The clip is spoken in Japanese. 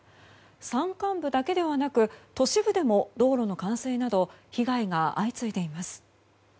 山間部だけではなく、都市部でも道路の冠水など被害が相次いでいます。